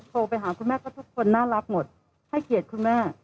โทรไปหาคุณแม่ก็ทุกคนน่ารักหมดให้เกียรติคุณแม่